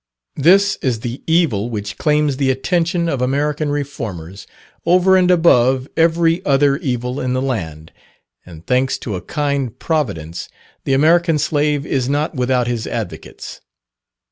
This is the evil which claims the attention of American Reformers, over and above every other evil in the land, and thanks to a kind providence, the American slave is not without his advocates.